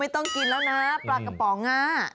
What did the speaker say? ไม่ต้องกินแล้วนะปลากระป๋อง